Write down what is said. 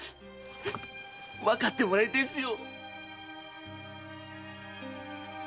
わかってもらいてぇすよ。